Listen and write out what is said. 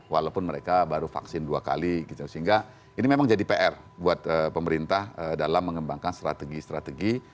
walaupun mereka baru vaksin dua kali sehingga ini memang jadi pr buat pemerintah dalam mengembangkan strategi strategi